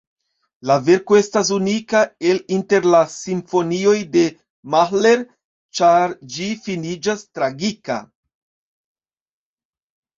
La verko estas unika el inter la simfonioj de Mahler, ĉar ĝi finiĝas tragika.